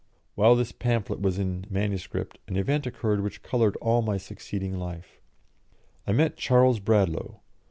While this pamphlet was in MS. an event occurred which coloured all my succeeding life. I met Charles Bradlaugh.